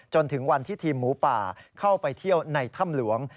จนถึงวันที่ทีมหมูป่าเข้าไปเที่ยวในถ้ำหลวง